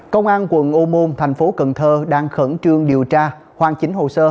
công an quận ô môn thành phố cần thơ đang khẩn trương điều tra hoàn chỉnh hồ sơ